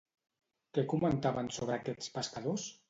Què comentaven sobre aquests pescadors?